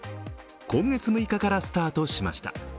今月６日からスタートしました。